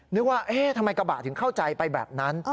นึกว่าเอ๊ะทำไมกระบะถึงเข้าใจไปแบบนั้น